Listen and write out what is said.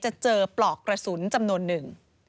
จะเจอปลอกกระสุนจำนวนหนึ่ง